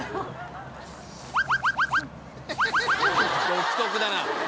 独特だな。